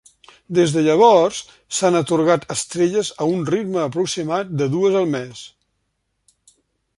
Des de llavors, s'han atorgat estrelles a un ritme aproximat de dues al mes.